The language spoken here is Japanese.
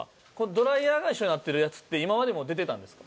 ドライヤーが一緒になってるやつって今までも出てたんですか？